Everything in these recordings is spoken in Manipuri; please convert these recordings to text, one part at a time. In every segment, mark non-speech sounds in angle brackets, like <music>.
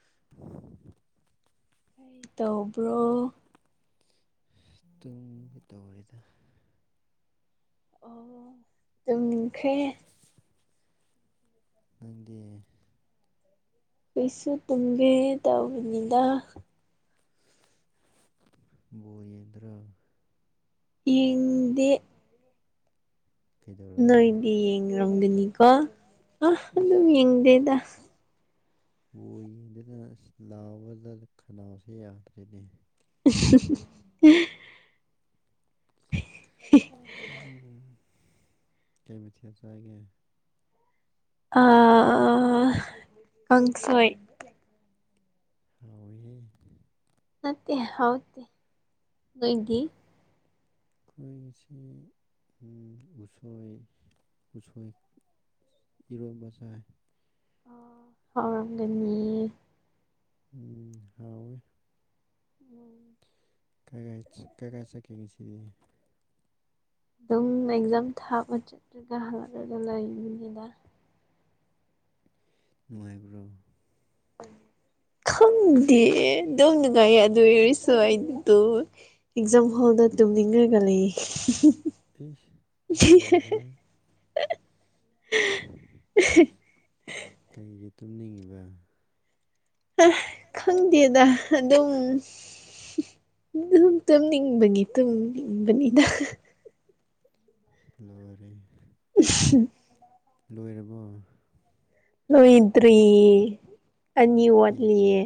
<inaudible> ꯀꯩ ꯇꯧꯕ꯭ꯔꯣ? ꯇꯨꯝꯒꯤ ꯇꯧꯔꯤꯗ꯫ ꯑꯣ ꯇꯨꯝꯈ꯭ꯔꯦ꯫ ꯅꯪꯗꯤ? ꯑꯩꯁꯨ ꯇꯨꯝꯒꯦ ꯇꯧꯕꯅꯤꯗ꯫ ꯕꯣꯜ ꯌꯦꯡꯗ꯭ꯔꯣ? ꯌꯦꯡꯗꯦ꯫ ꯀꯩꯗꯧꯔꯒꯦ ꯅꯣꯏꯗꯤ ꯌꯦꯡꯂꯝꯒꯅꯤꯀꯣ ꯑ ꯑꯗꯨꯝ ꯑꯁ ꯌꯦꯡꯗꯦꯗ꯫ ꯑꯣꯏꯗꯅ ꯑꯁ ꯂꯥꯎꯕꯗ ꯈꯅꯥꯎꯁꯦ ꯌꯥꯗ꯭ꯔꯦꯅꯦ꯫ <inaudible> ꯍꯨꯝ ꯀꯩ ꯃꯊꯦꯜ ꯆꯥꯔꯒꯦ? ꯑ ꯀꯥꯡꯁꯣꯏ꯫ ꯀꯥꯎꯏꯍꯦ꯫ ꯅꯠꯇꯦ ꯍꯥꯎꯇꯦ, ꯅꯣꯏꯗꯤ? ꯑꯩꯈꯣꯏ ꯉꯁꯤ ꯑꯨꯝ ꯎꯁꯣꯏ ꯎꯁꯣꯏ꯫ ꯏꯔꯣꯝꯕ ꯆꯥꯏ꯫ ꯍꯥꯎꯔꯝꯒꯅꯤ꯫ ꯑꯨꯝ ꯍꯥꯎꯏ꯫ ꯎꯝ꯫ ꯀꯥꯏꯒꯥꯏ ꯆ ꯀꯥꯏꯒꯥꯏ ꯆꯠꯈꯤꯒꯦ ꯏꯆꯦ? ꯗꯨꯝ ꯑꯦꯛꯓꯥꯝ ꯊꯥꯕ ꯆꯠꯇ꯭ꯔꯤꯒ ꯍꯪꯉꯛꯑꯁꯨ ꯑꯗꯨꯝ ꯂꯩꯅꯤꯗ꯫ ꯅꯨꯡꯉꯥꯏꯕ꯭ꯔꯣ? <inaudible> ꯈꯪꯗꯦ <unintelligible> ꯑꯦꯛꯓꯥꯝ ꯍꯣꯜꯗ ꯇꯨꯝꯅꯤꯡꯉꯒ ꯂꯩ꯫ <inaudible> ꯏꯁ ꯂꯣꯏꯔꯦꯍꯦ ꯀꯩꯒꯤ ꯇꯨꯝꯅꯤꯡꯉꯤꯕ? ꯑ ꯈꯪꯗꯦꯗ ꯑꯗꯨꯝ <inaudible> ꯑꯗꯨꯝ ꯇꯨꯝꯅꯤꯡꯕꯒꯤ ꯇꯨꯝꯕꯤꯕꯅꯤꯗ꯫ ꯂꯣꯏꯔꯦꯍꯦ꯫ <inaudible> ꯂꯣꯏꯔꯕꯣ? ꯂꯣꯏꯗ꯭ꯔꯤ ꯑꯅꯤ ꯍꯩ ꯋꯥꯠꯂꯤꯌꯦ꯫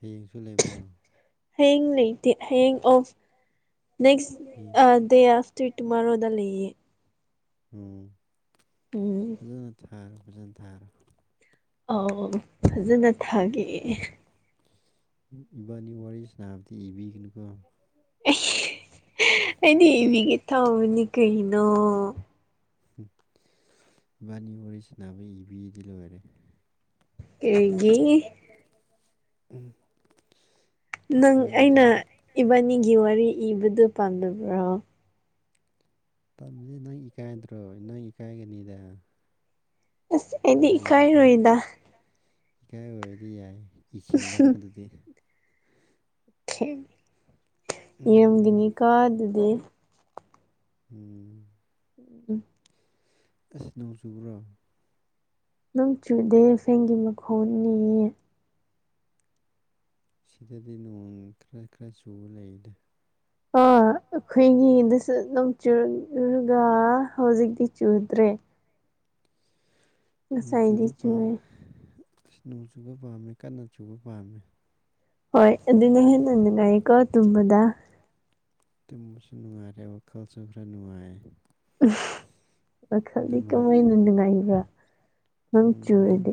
ꯍꯌꯦꯡꯁꯨ ꯂꯩꯕ꯭ꯔꯣ? ꯍꯌꯦꯡ ꯂꯩꯇꯦ ꯍꯌꯦꯡ ꯑꯣꯐ ꯅꯣꯏ <unintelligible> ꯑ ꯗꯦ ꯑꯐꯇꯔ ꯇꯨꯃꯥꯔꯣꯗ ꯂꯩꯌꯦ ꯎꯝ ꯎꯝ ꯐꯖꯅ ꯊꯥꯔꯣ ꯐꯖꯅ ꯊꯥꯔꯣ ꯑꯥꯎ ꯐꯖꯅ ꯊꯥꯒꯦ ꯏꯕꯥꯅꯤ ꯋꯥꯔꯤ ꯁꯅꯥꯕꯗꯤ ꯏꯕꯤꯒꯅꯨꯀꯣ <unintelligible> ꯑꯩꯗꯤ ꯏꯕꯤꯒꯦ ꯊꯥꯎꯕꯅꯤ ꯀꯩꯅꯣ <unintelligible> ꯏꯕꯥꯅꯤ ꯋꯥꯔꯤꯁꯥꯅꯕ ꯏꯕꯤꯔꯗꯤ ꯂꯣꯏꯔꯦ ꯀꯔꯤꯒꯤ ꯅꯪ ꯅꯣꯏ ꯑꯩꯅ ꯑꯣꯖꯥ ꯏꯕꯥꯅꯤꯒꯤ ꯋꯥꯔꯤ ꯏꯕꯗꯨ ꯄꯥꯝꯗꯕ꯭ꯔꯣ <unintelligible> ꯅꯪ ꯏꯀꯥꯏꯗ꯭ꯔꯣ ꯅꯪ ꯏꯀꯥꯏꯒꯅꯤꯗ ꯑꯁ ꯑꯩꯗꯤ ꯑꯗꯨꯒꯤꯅꯤꯗ ꯏꯀꯥꯏꯔꯣꯏꯗ ꯏꯀꯥꯏ <unintelligible> ꯑꯣꯏꯔꯗꯤ ꯌꯥꯏ ꯏꯈꯤꯜꯂꯣ ꯑꯗꯨꯗꯤ <unintelligible> ꯎꯝ ꯏꯔꯝꯒꯅꯤꯀꯣ ꯑꯗꯨꯗꯤ ꯎꯝ ꯎꯝꯝ ꯑꯁ ꯅꯣꯡ ꯆꯨꯕ꯭ꯔꯣ ꯅꯪ ꯆꯨꯗꯦ ꯐꯦꯡꯒꯤ ꯃꯈꯣꯟꯅꯤ ꯁꯤꯗꯗꯤ ꯅꯣꯡ ꯈꯔ ꯈꯔ ꯆꯨ ꯂꯩꯗ ꯑꯣ ꯑꯩꯈꯣꯏꯒꯤꯗꯁꯨ ꯑꯗꯨꯝ ꯆꯨꯔꯒ ꯍꯧꯖꯤꯛꯇꯤ ꯆꯨꯗ꯭ꯔꯦ ꯅꯣꯡ ꯉꯁꯥꯏꯗꯤ ꯆꯨꯕ ꯄꯥꯝ ꯆꯨꯋꯦ ꯅꯣꯡ ꯆꯨꯕ ꯄꯥꯝꯃꯦ ꯀꯟꯅ ꯆꯨꯕ ꯄꯥꯝꯃꯦ ꯍꯣꯏ ꯑꯗꯨꯅ ꯍꯦꯟꯅ ꯅꯨꯡꯉꯥꯏꯀꯣ ꯇꯨꯝꯕꯗ ꯇꯨꯝꯕꯁꯨ ꯅꯨꯡꯉꯥꯏꯔꯦ ꯋꯥꯈꯜꯁꯨ ꯈꯔ ꯅꯨꯡꯉꯥꯏ <unintelligible> ꯑꯗꯨ ꯋꯥꯈꯜꯗꯤ ꯃꯔꯛ ꯀꯃꯥꯏꯅ ꯅꯨꯡꯉꯥꯏꯕ ꯎꯝ ꯑꯗꯨꯝ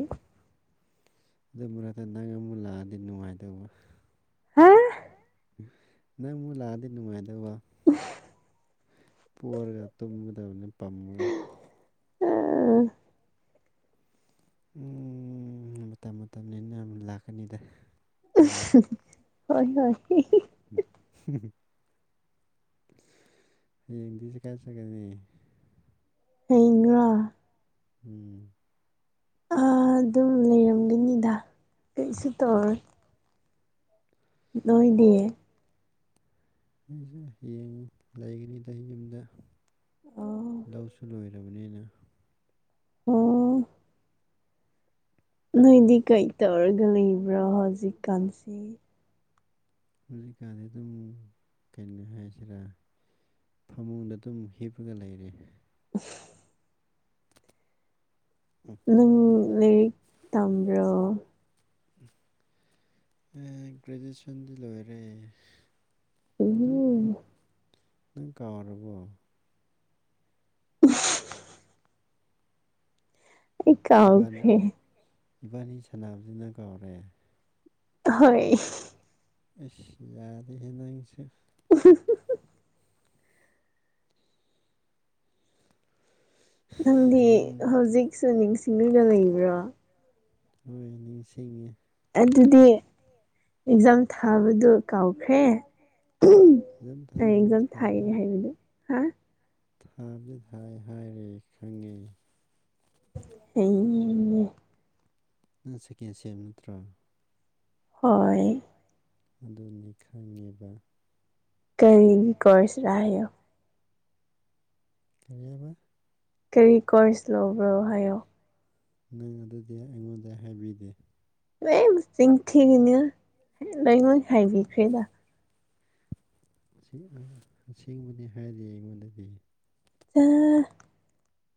ꯑꯗꯨ ꯃꯔꯛꯇ ꯅꯪ ꯑꯃꯨꯛ ꯂꯥꯛꯑꯗꯤ ꯅꯨꯡꯉꯥꯏꯗꯧꯕ ꯍꯥ <unintelligible> ꯅꯪꯕꯨ ꯂꯥꯛꯑꯗꯤ ꯅꯨꯡꯉꯥꯏꯗꯧꯕ <unintelligible> <unintelligible> <unintelligible> ꯎꯝ ꯃꯇꯝ ꯃꯇꯝꯅꯤꯅ ꯂꯥꯛꯀꯅꯤꯗ ꯀꯣ <unintelligible> ꯍꯣꯏ ꯍꯣꯏ <unintelligible> ꯍꯌꯦꯡꯗꯤ ꯀꯥꯏꯆꯠꯒꯅꯤ ꯍꯌꯦꯡꯔꯣ ꯎꯝ ꯑꯗꯨꯝ ꯂꯩꯔꯝꯒꯅꯤꯗ ꯀꯩꯁꯨ ꯇꯧꯔꯣꯏ ꯅꯣꯏꯗꯤ ꯑꯩꯁꯨ ꯌꯦꯡꯉ ꯂꯩꯒꯅꯤꯗ ꯌꯨꯝꯗ ꯑꯣ ꯂꯧꯁꯨ ꯂꯣꯏꯔꯦ <unintelligible> ꯑꯣ ꯅꯣꯏꯗꯤ ꯀꯩ ꯇꯧꯔꯒ ꯂꯩꯕ꯭ꯔꯣ ꯍꯧꯖꯤꯛꯀꯥꯟꯁꯦ ꯍꯧꯖꯤꯛꯀꯥꯟꯗꯤ ꯑꯗꯨꯝ ꯀꯩꯅꯣ ꯍꯥꯏꯁꯤꯔꯥ ꯐꯃꯨꯡꯗ ꯑꯗꯨꯝ ꯍꯤꯞꯄꯒ ꯂꯩꯔꯦ <unintelligible> ꯅꯪ ꯂꯩꯥꯏꯔꯤꯛ ꯇꯥꯝꯕ꯭ꯔꯣ ꯑ ꯒ꯭ꯔꯦꯖꯨꯑꯦꯁꯟꯗꯤ ꯂꯣꯏꯔꯦ <unintelligible> ꯅꯪ ꯎꯝ ꯅꯪ ꯀꯥꯎꯔꯕꯣ <unintelligible> ꯑꯩ ꯏꯕꯥꯅ ꯀꯥꯎꯈ꯭ꯔꯦ ꯏꯕꯥꯅꯤ ꯁꯥꯟꯅꯕꯁꯤ ꯅꯪ ꯀꯥꯎꯔꯦ ꯍꯣꯏ ꯑꯦꯁ ꯌꯥꯔꯦꯍꯦ ꯅꯪꯁꯨ ꯎ <unintelligible> ꯅꯪꯗꯤ ꯅꯪ ꯍꯧꯖꯤꯛꯁꯨ ꯅꯤꯡꯁꯤꯡꯂꯒ ꯂꯩꯕ꯭ꯔꯣ ꯎꯝ ꯅꯤꯡꯁꯤꯡꯉꯦ ꯑꯗꯨꯗꯤ ꯑꯦꯛꯖꯥꯝ ꯊꯥꯕꯗꯨ ꯀꯥꯎꯈ꯭ꯔꯦ ꯐꯖꯅ ꯊꯥꯕꯗꯤ ꯑꯦꯖꯝ ꯊꯥꯏ ꯊꯥꯅꯕ ꯍꯥꯏꯗꯨ ꯍꯥ ꯊꯥꯕꯗꯤ ꯊꯥꯏ ꯍꯥꯏꯔꯦ ꯈꯪꯉꯦ <unintelligible> ꯅꯪ ꯁꯦꯀꯦꯟ ꯁꯦꯝ ꯅꯠꯇ꯭ꯔꯣ ꯍꯣꯏ ꯑꯗꯨꯅꯤ ꯈꯪꯉꯤꯕ ꯀꯔꯤꯒꯤ ꯀꯣꯔꯁꯔꯦ <unintelligible> ꯀꯔꯤ ꯀꯣꯔꯁ ꯂꯧꯕ꯭ꯔꯣ ꯍꯥꯏꯌꯣ ꯅꯪ ꯑꯗꯨꯗꯤ ꯑꯩꯉꯣꯟꯗ ꯍꯥꯏꯕꯤꯗꯦ ꯂꯣꯏ ꯆꯤꯟ ꯊꯤꯒꯅꯨ ꯂꯣꯏꯉꯣꯏ ꯍꯥꯏꯕꯤꯈ꯭ꯔꯦꯗ ꯑꯁꯦꯡꯕꯅꯤ ꯍꯥꯏꯗꯤ ꯑꯩꯉꯣꯟꯗꯗꯤ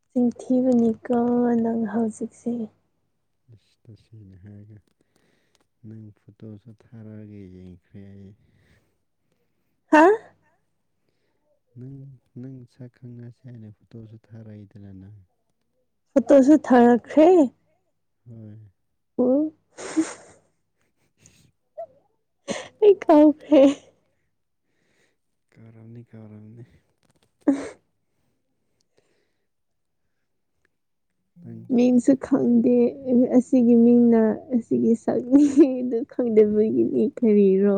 ꯆꯤꯟ ꯊꯤꯕꯅꯤꯀꯣ ꯅꯪ ꯍꯧꯖꯤꯛꯁꯦ ꯑꯁ ꯇꯧꯁꯤꯟꯅꯔꯒ ꯅꯪ ꯐꯣꯇꯣꯁꯨ ꯊꯥꯔꯛꯑꯒ ꯌꯦꯡꯈ꯭ꯔꯦ ꯑꯩ ꯍꯥ ꯅꯪ ꯅꯪ ꯁꯛ ꯈꯪꯅꯁꯤ ꯍꯥꯏꯅ ꯐꯣꯇꯣꯁꯨ ꯊꯥꯔꯛꯏꯗꯅ ꯅꯪ ꯐꯣꯇꯣꯁꯨ ꯊꯔꯈ꯭ꯔꯦ ꯍꯣꯏ ꯑꯣ ꯑꯩ ꯀꯥꯎꯈ꯭ꯔꯦ ꯀꯥꯎꯔꯝꯅꯤ ꯀꯥꯎꯔꯝꯅꯤ <unintelligible> ꯅꯪ ꯃꯤꯡꯁꯨ ꯈꯪꯗꯦ ꯑꯁꯤꯒꯤ ꯃꯤꯡꯅ ꯑꯁꯤꯒꯤ ꯁꯛꯅꯤꯗꯨ ꯈꯪꯗꯕꯒꯤꯅꯤ ꯀꯔꯤꯔꯣ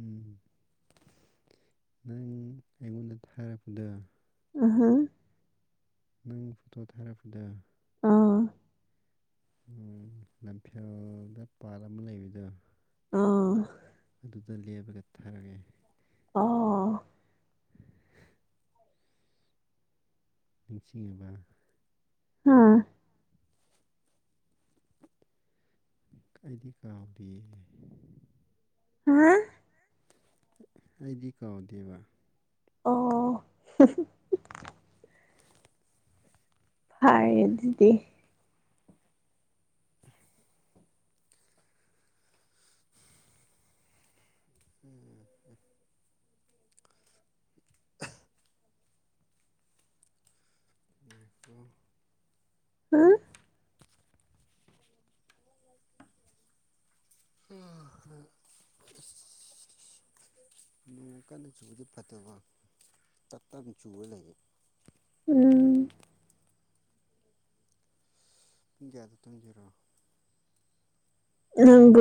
ꯎ ꯅꯪ ꯑꯩꯉꯣꯟꯗ ꯊꯥꯔꯛꯄꯗ ꯑꯍꯨꯝ ꯅꯪ ꯐꯣꯇꯣ ꯊꯥꯔꯛꯄꯗ ꯑꯥ ꯎ ꯂꯝꯐꯦꯜꯗ ꯄꯥꯠ ꯑꯃ ꯂꯩꯕꯗꯣ ꯑꯥ ꯑꯗꯨꯗ ꯂꯦꯞꯄꯒ ꯊꯥꯔꯛꯑꯦ ꯑꯣꯥ <unintelligible> ꯅꯤꯡꯁꯤꯡꯉꯕ ꯍꯥꯥ ꯑꯩꯗꯤ ꯀꯥꯎꯗꯤ ꯍꯥ ꯑꯩꯗꯤ ꯀꯥꯎꯗꯦꯕ ꯑꯣ ꯍꯥꯏꯔꯦ ꯑꯗꯨꯗꯤ ꯎꯝ ꯎ <unintelligible> ꯄꯨ ꯍꯥ <unintelligible> <inaudible> ꯅꯣꯡ ꯀꯟꯅ ꯆꯨꯕꯗꯤ ꯐꯗꯨꯕ ꯇꯞ ꯇꯞꯅ ꯆꯨꯕ ꯂꯩ ꯎꯝ ꯄꯨꯡ ꯀꯌꯥꯗꯣ ꯇꯝꯖꯔꯣ ꯅꯪꯒꯨ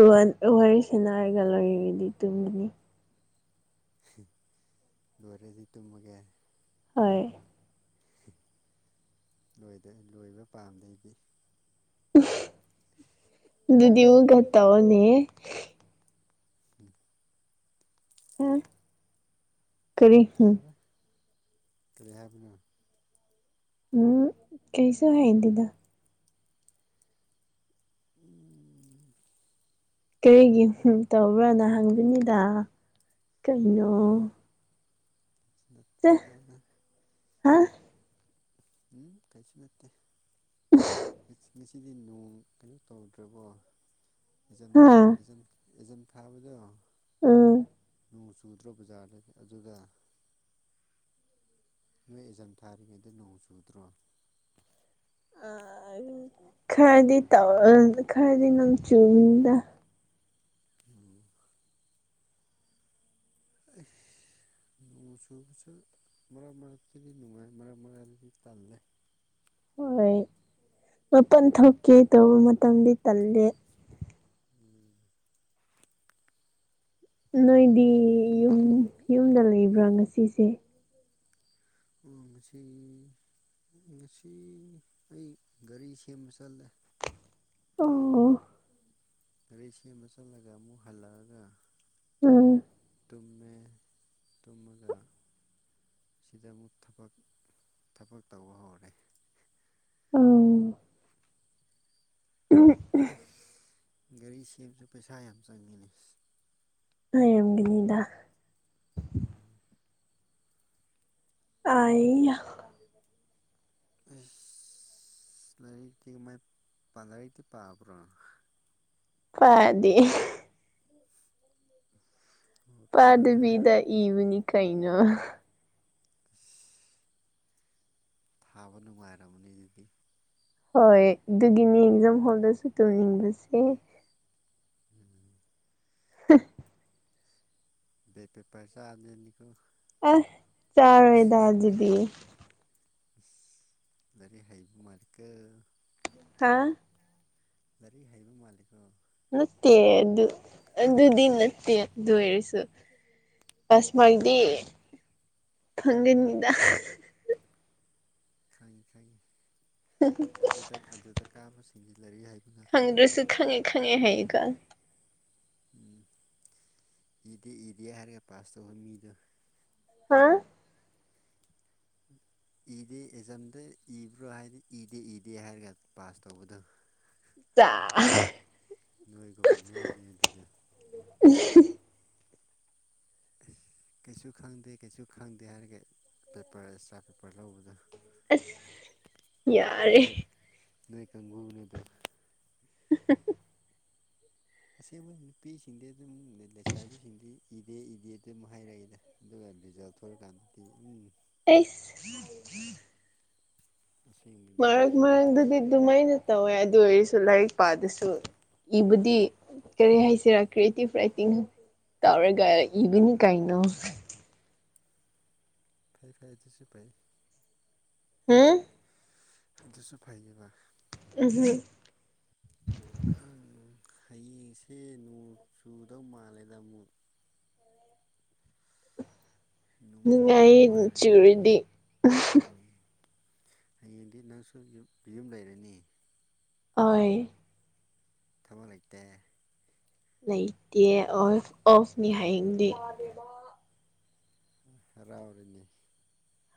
ꯋꯥꯔꯤ ꯁꯦꯅꯥ ꯍꯥꯏꯔꯒ ꯂꯣꯏꯗꯤ ꯇꯨꯝꯒꯅꯤ ꯂꯣꯏꯔꯗꯤ ꯇꯨꯝꯃꯒꯦ ꯍꯣꯏ ꯂꯣꯏꯗꯥ ꯂꯣꯏꯕ ꯄꯥꯝꯗꯩ ꯑꯩꯗꯤ ꯑꯗꯨꯗꯤ ꯑꯃꯨꯛ ꯇꯑꯣꯅꯦ ꯎꯝ ꯑꯣ ꯎꯝ ꯀꯔꯤꯍꯥꯏꯕ ꯀꯔꯤ ꯍꯥꯏꯕꯅꯦ ꯎꯝ ꯀꯩꯁꯨ ꯍꯥꯏꯗꯦꯗ <inaudible> ꯀꯔꯤꯒꯤ ꯍꯨꯝ ꯇꯧꯕ꯭ꯔꯥꯅ ꯍꯪꯕꯅꯤꯗ ꯀꯩꯅꯣ <inaudible> ꯆꯦ ꯅꯥꯇꯦꯗꯅꯥ ꯍꯥ ꯎꯝ ꯀꯩꯁꯨ ꯅꯠꯇꯦ <inaudible> ꯉꯁꯤꯗꯤ ꯅꯣꯡ ꯀꯩꯅꯣ ꯇꯧꯗ꯭ꯔꯕꯣ <unintelligible> ꯍꯥ ꯏꯖꯝ ꯊꯥꯕꯗꯣ ꯎꯝ ꯅꯣꯡ ꯆꯨꯗ꯭ꯔꯣ ꯕꯖꯥꯔꯗꯗꯤ ꯑꯗꯨꯗꯥ ꯅꯣꯏ ꯑꯦꯖꯟ ꯊꯥꯔꯤꯉꯩꯗ ꯅꯣꯡ ꯆꯨꯗ꯭ꯔꯣ ꯈꯔꯗꯤ ꯇꯧ ꯈꯔꯗꯤ ꯅꯪ ꯆꯨꯝꯗ ꯎꯝ ꯏꯁ ꯅꯣꯡ ꯆꯨꯕꯁꯨ ꯃꯔꯛ ꯃꯔꯛꯇꯗꯤ ꯅꯨꯡꯉꯥꯏ ꯃꯔꯛ ꯃꯔꯥꯏꯗꯤ ꯇꯜꯂꯦ ꯍꯣꯏ ꯃꯄꯟ ꯊꯣꯛꯀꯦ ꯇꯧꯕ ꯃꯇꯝꯗꯤ ꯇꯜꯂꯦ ꯎꯝ ꯅꯣꯏꯗꯤ ꯌꯨꯝ ꯌꯨꯝꯗ ꯂꯩꯕ꯭ꯔꯥ ꯉꯁꯤꯁꯦ ꯑꯣ ꯉꯁꯤ ꯉꯁꯤ ꯑꯩ ꯒꯥꯔꯤ ꯁꯦꯝꯕ ꯆꯠꯂꯦ ꯑꯣ ꯒꯔꯤꯁꯦꯝꯃ ꯆꯠꯂꯒ ꯑꯃꯨꯛ ꯍꯜꯂꯛꯑꯒ ꯎꯝ ꯇꯨꯝꯃꯦ ꯇꯨꯝꯃꯒ ꯁꯤꯗ ꯑꯃꯨꯛ ꯊꯕꯛ ꯊꯕꯛ ꯇꯧꯕ ꯍꯧꯔꯦ ꯑꯥ ꯎꯝ ꯒꯥꯔꯤ ꯁꯦꯝꯕꯁꯨ ꯄꯩꯁꯥ ꯌꯥꯝ ꯆꯪꯃꯤꯅꯦ ꯒꯤꯅꯤꯗ ꯎꯝ ꯑ ꯑꯁ ꯂꯥꯏꯔꯤꯛꯇꯤ ꯃꯥꯏ ꯂꯥꯏꯔꯤꯛꯇꯤ ꯄꯥꯕ꯭ꯔꯣ ꯄꯗꯦ ꯋꯥꯈꯜꯗ ꯄꯥꯗꯕꯤꯗ ꯏꯕꯅꯤ ꯀꯩꯅꯣ ꯑꯦꯁꯥ ꯊꯥꯕ ꯅꯨꯡꯉꯥꯏꯔꯝꯔꯕꯅꯤ ꯑꯗꯨꯗꯤ ꯍꯣꯏ ꯑꯗꯨꯒꯤꯅꯤ ꯑꯦꯛꯖꯥꯝ ꯍꯣꯜꯗꯁꯨ ꯇꯧꯅꯤꯡꯕꯁꯦ ꯎꯝ <unintelligible> ꯕꯦ ꯄꯦ ꯄꯔꯆꯥ ꯖꯅꯤ ꯀꯦ ꯑꯁ ꯆꯥꯔꯣꯏꯗ ꯑꯗꯨꯗꯤ ꯂꯩꯔꯤꯛ ꯍꯩꯕ ꯃꯥꯜꯂꯤꯀꯣ ꯍꯥꯥ ꯂꯥꯏꯔꯤꯛ ꯍꯩꯕ ꯃꯥꯂꯤꯀꯣ ꯅꯠꯇꯦ ꯑꯗꯨ ꯑꯗꯨꯗꯤ ꯅꯠꯇꯦ ꯑꯗꯨ ꯑꯣꯏꯔꯁꯨ ꯑꯁꯃꯥꯏꯗꯤ ꯐꯪꯒꯟꯅꯤꯗ ꯈꯪꯉꯤ ꯈꯪꯉꯤ ꯑꯗꯨꯗ ꯑꯗꯨꯗ ꯀꯥꯕꯁꯤꯡꯖꯤꯜꯂꯔꯤ ꯍꯥꯏ ꯈꯪꯗ꯭ꯔꯁꯨ ꯈꯪꯉꯦ ꯈꯪꯉꯦ ꯍꯥꯏꯌꯦꯀꯣ ꯎꯝ ꯏꯗꯦ ꯏꯗꯦ ꯍꯥꯏꯔꯒ ꯄꯥꯁ ꯇꯧꯕ ꯃꯤꯗꯣ ꯍꯨꯝ ꯏꯗꯦ ꯑꯦꯛꯖꯥꯝꯗ ꯏꯕ꯭ꯔꯣ ꯍꯥꯏꯗꯤ ꯏꯗꯦ ꯏꯗꯦ ꯍꯥꯏꯔꯒ ꯄꯥꯁ ꯇꯧꯕꯗ <unintelligible> ꯅꯣꯏꯒꯨꯝꯕ ꯅꯣꯏꯅꯦ ꯑꯗꯨꯗꯤ ꯎꯝ ꯑꯁ ꯀꯩꯁꯨ ꯈꯪꯗꯦ ꯀꯩꯁꯨ ꯈꯪꯗꯦ ꯍꯥꯏꯔꯒ ꯄꯦꯄꯔ ꯑꯦꯛꯁꯇ꯭ꯔꯥ ꯄꯦꯄꯔ ꯂꯧꯕꯗꯣ ꯑꯁ ꯌꯥꯔꯦ ꯅꯣꯏ ꯅꯣꯏ ꯀꯥꯡꯕꯨꯨ ꯅꯦꯗꯨ <inaudible> ꯑꯁꯦꯡꯕ ꯅꯨꯄꯤꯁꯤꯡꯗꯤ ꯑꯗꯨꯝ ꯂꯩꯁꯥꯕꯤꯁꯤꯡꯗꯤ ꯏꯗꯦ ꯏꯗꯦꯗꯤ ꯑꯗꯨꯝ ꯍꯥꯏꯔꯛꯏꯗ ꯑꯗꯨꯒ ꯔꯤꯖꯜ ꯊꯣꯏꯔꯀꯥꯟꯗꯗꯤ ꯎꯝ ꯑꯦꯁ ꯑꯁꯦꯡꯕꯅꯤ ꯃꯔꯝꯗꯨꯗꯤ ꯑꯗꯨꯃ ꯑꯩꯅ ꯇꯧꯋꯦ ꯑꯗꯨ ꯑꯣꯏꯔꯁꯨ ꯂꯥꯏꯔꯤꯛ ꯄꯥꯗꯁꯨ ꯏꯕꯨꯗꯤ ꯀꯔꯤ ꯍꯥꯏꯁꯤꯔꯥ ꯀ꯭ꯔꯤꯌꯦꯇꯤꯞ ꯔꯥꯏꯇꯤꯡ ꯇꯧꯔꯒ ꯏꯕꯅꯤ ꯀꯩꯅꯣ ꯐꯩ ꯐꯩ ꯑꯗꯨꯁꯨ ꯐꯩ ꯍꯨꯝ ꯑꯗꯨꯁꯨ ꯐꯩꯕ ꯎꯝ ꯎꯝ ꯍꯌꯦꯡꯁꯦ ꯅꯣꯡ ꯆꯨꯗꯧ ꯃꯥꯜꯂꯦꯗ ꯑꯃꯨꯛ ꯅꯣꯡ ꯆꯨꯔꯗꯤ ꯅꯨꯡꯉꯥꯏꯌꯦ ꯅꯣꯡ ꯅꯨꯡꯉꯥꯏꯔꯦ ꯆꯨꯔꯗꯤ ꯎꯝ ꯍꯌꯦꯡꯗꯤ ꯅꯪꯁꯨ ꯌꯨꯝ ꯂꯩꯔꯅꯤ ꯍꯣꯏ ꯊꯕꯛ ꯂꯩꯇꯦ ꯂꯩꯇꯦ ꯑꯣ ꯑꯣꯐꯅꯤ ꯍꯌꯦꯡꯗꯤ ꯍꯔꯥꯎꯔꯤꯅꯤ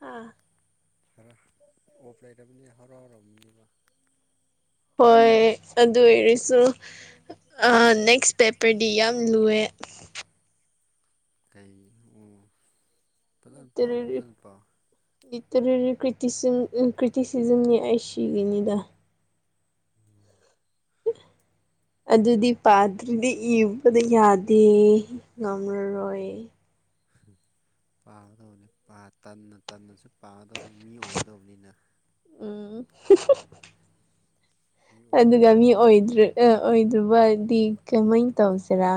ꯍꯥꯥ ꯈꯔ ꯑꯣꯐ ꯂꯥꯏ ꯇꯕꯅꯤ ꯍꯔꯥꯎ ꯍꯔꯥꯎ ꯃꯕ ꯍꯣꯏ ꯑꯗꯨ ꯑꯣꯏꯔꯁꯨ ꯅꯦꯛꯁ ꯄꯦꯄꯔꯗꯤ ꯌꯥꯝ ꯂꯨꯏꯌꯦ ꯀꯩ ꯎꯝ ꯐꯖꯅ ꯄꯥꯎ ꯂꯤꯇꯔꯦꯔꯤ ꯐꯖꯅ ꯄꯥꯎ ꯂꯤꯇꯔꯦꯔꯤ ꯀ꯭ꯔꯤ ꯀ꯭ꯔꯤꯇꯤꯁꯤꯖꯝꯅꯤ ꯑꯁꯤꯒꯅꯤꯗ ꯎꯝ ꯑꯗꯨꯗꯤ ꯄꯥꯗ꯭ꯔꯤꯗꯤ ꯏꯕꯗ ꯌꯥꯗꯦ ꯉꯝꯃꯔꯣꯏ ꯄꯥꯒꯗꯕꯅꯤ ꯇꯟꯅ ꯇꯟꯅꯁꯨ ꯄꯥꯒꯗꯕꯅꯤ ꯃꯤ ꯑꯣꯏꯒꯗꯕꯅꯤꯅ ꯎꯝ ꯃꯤ ꯑꯣꯏꯅꯕ ꯑꯗꯨꯒ ꯃꯤ ꯇꯧꯍꯩ ꯑꯣꯏꯗ꯭ꯔꯦ ꯑꯣꯏꯗꯕꯗꯤ ꯀꯃꯥꯏ ꯇꯧꯁꯤꯔꯥ